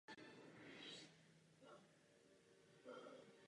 Stříbro nakonec získal Američan Shawn Crawford a bronz jeho krajan Walter Dix.